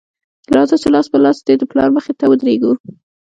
راځه چې لاس په لاس دې د پلار مخې ته ودرېږو